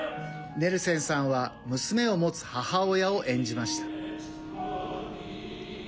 ネルセンさんは娘を持つ母親を演じました。